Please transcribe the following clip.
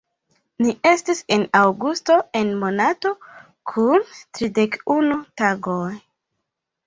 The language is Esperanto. Ni estis en Aŭgusto, en monato kun tridek-unu tagoj.